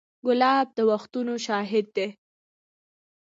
ګلاب د وختونو شاهد دی.